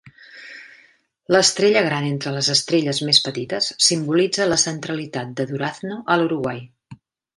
L'estrella gran entre les estrelles més petites simbolitza la centralitat de Durazno a l'Uruguai.